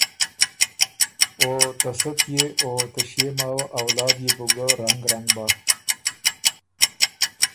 او ته سۀ پئے او ݭيې ماوه ا اولاد يې بو ګۀ رنګ رنګ بَۀ۔